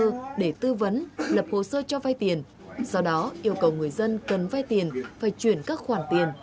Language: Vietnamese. các đối tượng đã lập hồ sơ cho vai tiền sau đó yêu cầu người dân cần vai tiền phải chuyển các khoản tiền